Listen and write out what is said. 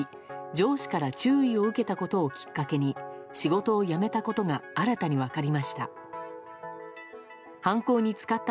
上司から注意を受けたことをきっかけに仕事を辞めたことが新たに分かりました。